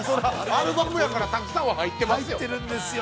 ◆アルバムやから、たくさん入ってますよ。